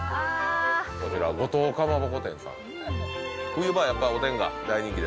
こちら後藤かまぼこ店さん